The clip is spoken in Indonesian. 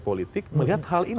politik melihat hal ini